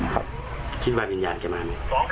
คิดว่าวิญญาณจะมาไหม